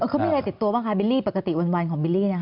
เข้ามีอะไรติดตัวคะปกติวันของบิลลี่